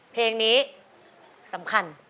เพลงนี้สำคัญ